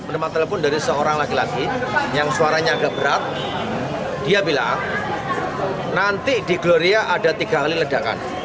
penempat telepon dari seorang laki laki yang suaranya agak berat dia bilang nanti di gloria ada tiga kali ledakan